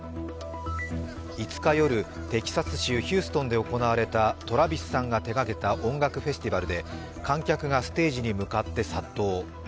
５日夜、テキサス州ヒューストンで行われたトラビスさんが手がけた音楽フェスティバルで観客がステージに向かって殺到。